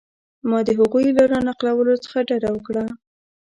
ما د هغوی له را نقلولو څخه ډډه وکړه.